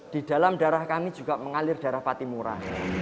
di dalam darah kami juga mengalir darah patimurah